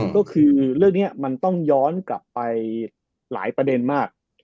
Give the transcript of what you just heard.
ก็คือเรื่องนี้มันต้องย้อนกลับไปหลายประเด็นมาก